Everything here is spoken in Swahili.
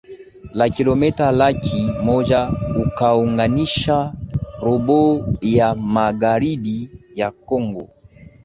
la kilometa laki moja ukaunganisha robo ya magharibi ya Kongo